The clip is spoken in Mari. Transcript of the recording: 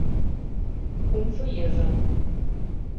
Кумшо йыжыҥ